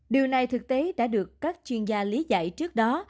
điều này thực tế đã được các chuyên gia lý giải trước đó